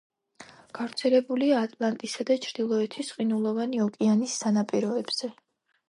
გავრცელებულია ატლანტისა და ჩრდილოეთის ყინულოვანი ოკეანის სანაპიროებზე.